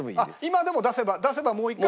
今でも出せばもう一回。